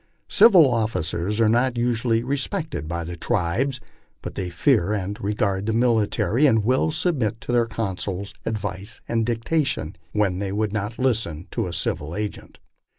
Civil officers are not usually respected by the tribes, but they fear and regard the military, and will submit to their counsels, advice, and dicta tion, when they would not listen to a civil agent."